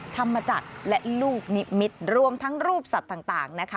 ธรรมจักรและลูกนิมิตรรวมทั้งรูปสัตว์ต่างนะคะ